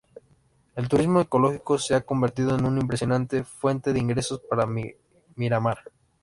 El turismo ecológico se ha convertido en una importante fuente de ingresos para Miramar.